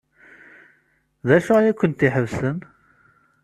D acu ay kent-iḥebsen?